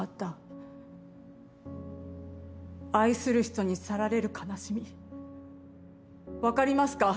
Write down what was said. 愛する人に去られる悲しみわかりますか？